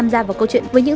anh cứ cho hết lên phường